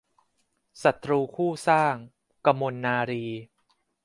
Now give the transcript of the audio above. ศัตรูคู่สร้าง - กมลนารีย์